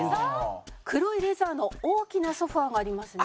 黒いレザーの大きなソファがありますね。